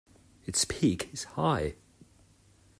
Its peak is high.